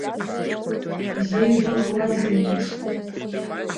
Ҳзеигәыӷуазеи нас?!